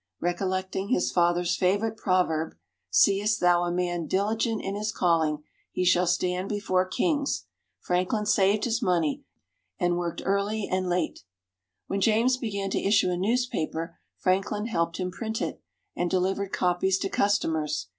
Recollecting his father's favourite proverb, "Seest thou a man diligent in his calling, he shall stand before Kings," Franklin saved his money, and worked early and late. When James began to issue a newspaper, Franklin helped him print it, and delivered copies to customers.